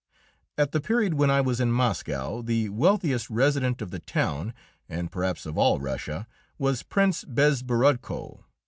At the period when I was in Moscow the wealthiest resident of the town, and perhaps of all Russia, was Prince Bezborodko.